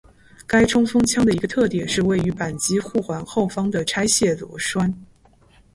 该冲锋枪的一个特点是位于扳机护环后方的拆卸螺栓。